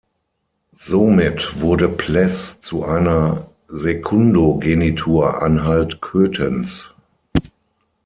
Somit wurde Pleß zu einer Sekundogenitur Anhalt-Köthens.